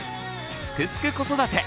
「すくすく子育て」